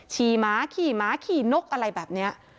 ขี่หมาขี่หมาขี่นกอะไรแบบนี้